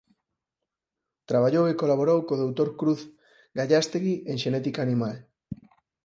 Traballou e colaborou co doutor Cruz Gallástegui en xenética animal.